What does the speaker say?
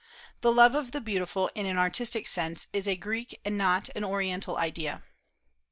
The love of the beautiful, in an artistic sense, is a Greek and not an Oriental idea.